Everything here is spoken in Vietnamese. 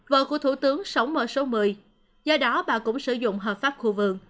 vợ của thủ tướng sống ở số một mươi do đó bà cũng sử dụng hợp pháp khu vườn